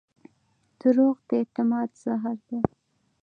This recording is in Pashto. دروغ د اعتماد زهر دي.